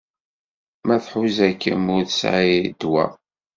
Ma tḥuza-kem ur tesɛi ddwa.